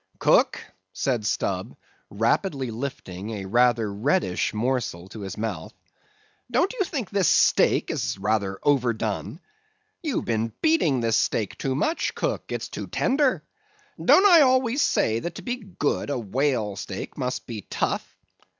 "Cook," said Stubb, rapidly lifting a rather reddish morsel to his mouth, "don't you think this steak is rather overdone? You've been beating this steak too much, cook; it's too tender. Don't I always say that to be good, a whale steak must be tough?